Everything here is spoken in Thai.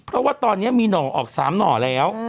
เพราะว่าตอนนี้มีหน่อออก๓หน่อแล้ว